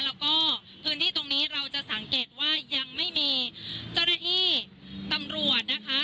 แล้วก็พื้นที่ตรงนี้เราจะสังเกตว่ายังไม่มีเจ้าหน้าที่ตำรวจนะคะ